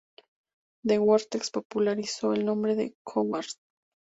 The Vortex popularizó el nombre de Coward.